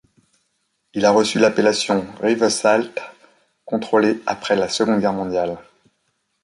Il a reçu l'appellation Rivesaltes contrôlée après la Seconde Guerre mondiale.